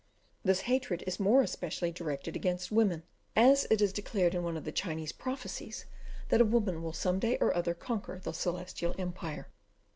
This hatred is more especially directed against women, as it is declared in one of the Chinese prophecies that a woman will some day or other conquer the Celestial Empire.